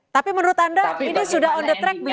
tapi menurut anda ini sudah on the track begitu